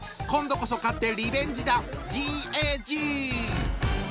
今度こそ勝ってリベンジだ！